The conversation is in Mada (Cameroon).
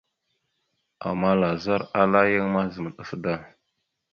Ama lazar ala yan mazam ɗaf da.